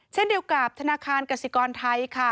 เช่นเดียวกับธนาคารกสิกรไทยค่ะ